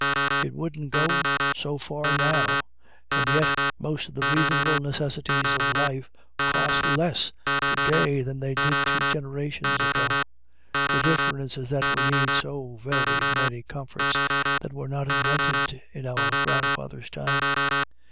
It wouldn't go so far now, and yet most of the reasonable necessaries of life cost less to day than they did two generations ago. The difference is that we need so very many comforts that were not invented in our grandfather's time.